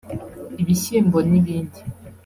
ibishyimbo n’ibindi